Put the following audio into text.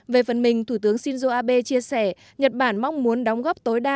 về phần mình thủ tướng shinzo abe chia sẻ nhật bản mong muốn đóng góp tối đa